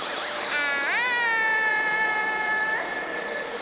あ！